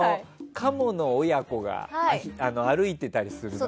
カモの親子が歩いていたりするの。